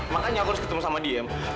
makanya aku harus ketemu sama diam